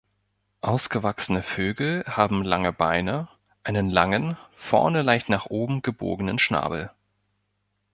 Ausgewachsene Vögel haben lange Beine, einen langen, vorne leicht nach oben gebogenen Schnabel.